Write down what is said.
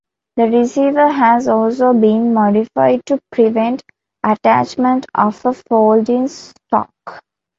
The receiver has also been modified to prevent attachment of a folding stock.